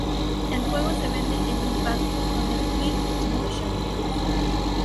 El juego se vende en un pack con el Wii Motion Plus.